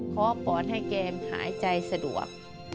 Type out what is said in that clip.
เพราะว่าปอดให้แกหายใจสะดวก